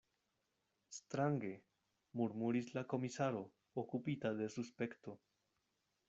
Strange, murmuris la komisaro okupita de suspekto.